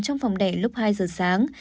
trong phòng đẻ lúc hai giờ sáng